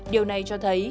điều này cho thấy